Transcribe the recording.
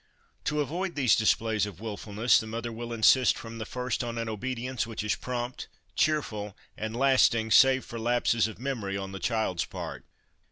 To avoid these displays of wilfulness, the mother will insist from the first on an obedience which is prompt, cheerful, and lasting save for lapses of memory on the child's part.